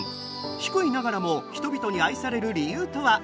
低いながらも人々に愛される理由とは？